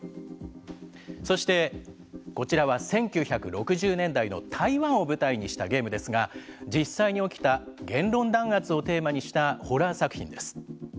そしてこちらは、１９６０年代の台湾を舞台にしたゲームですが実際に起きた言論弾圧をテーマにしたホラー作品です。